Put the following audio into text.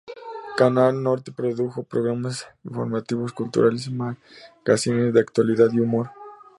Canal Norte produjo programas informativos, culturales y magacines de actualidad y humor.